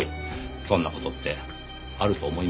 そんな事ってあると思いますか？